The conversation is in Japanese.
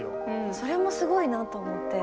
それもすごいなと思って。